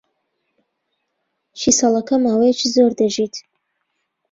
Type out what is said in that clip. کیسەڵەکە ماوەیەکی زۆر دەژیت.